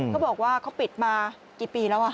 เขาบอกว่าเขาปิดมากี่ปีแล้ว